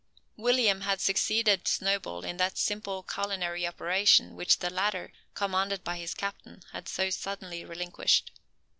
William had succeeded Snowball in that simple culinary operation which the latter, commanded by his captain, had so suddenly relinquished.